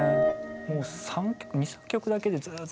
もう２３曲だけでずっと。